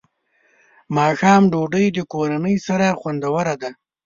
ماښام ډوډۍ د کورنۍ سره خوندوره ده.